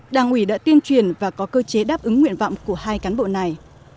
đảng ủy đã tiên truyền và có cơ chế đáp ứng nguyện vọng của hai cán bộ này